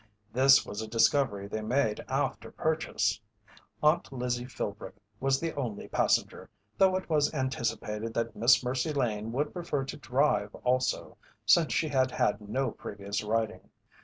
This was a discovery they made after purchase. Aunt Lizzie Philbrick was the only passenger, though it was anticipated that Miss Mercy Lane would prefer to drive also, since she had had no previous riding.